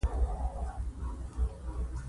انرژي کار تولیدوي.